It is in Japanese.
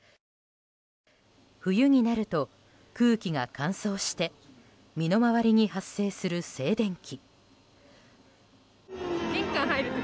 冬になると、空気が乾燥して身の回りに発生する静電気。